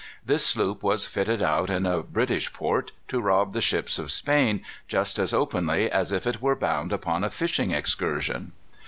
This sloop was fitted out in a British port, to rob the ships of Spain, just as openly as if it were bound upon a fishing excursion.